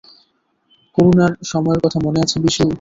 করোনার সময়ের কথা মনে আছে, বিশু?